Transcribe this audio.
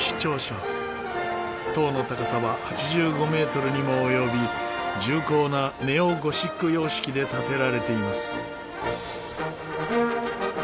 塔の高さは８５メートルにも及び重厚なネオ・ゴシック様式で建てられています。